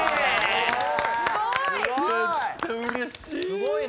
すごーい！